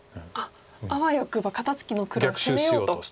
あわよくば肩ツキの黒を攻めようと。